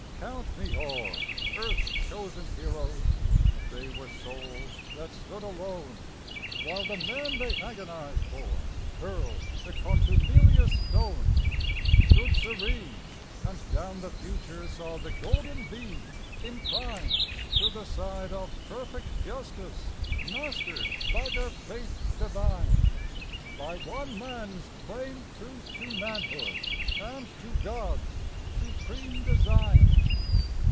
Count me o'er earth's chosen heroes,—they were souls that stood alone, While the men they agonized for hurled the contumelious stone, Stood serene, and down the future saw the golden beam incline To the side of perfect justice, mastered by their faith divine, By one man's plain truth to manhood and to God's supreme design.